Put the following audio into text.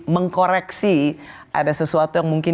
mengkoreksi ada sesuatu yang mungkin